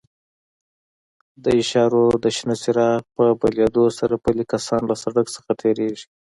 د اشارو د شنه څراغ په بلېدو سره پلي کسان له سړک څخه تېرېږي.